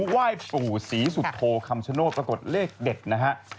ไหว้ปู่ศรีสุโธคำชโนธปรากฏเลขเด็ดนะฮะ